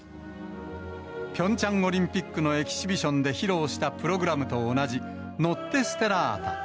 ピョンチャンオリンピックのエキシビションで披露したプログラムと同じ、ノッテ・ステラータ。